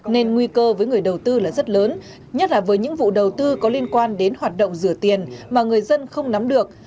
nên nguy cơ với người đầu tư là rất lớn nhất là với những vụ đầu tư có liên quan đến hoạt động rửa tiền mà người dân không nắm được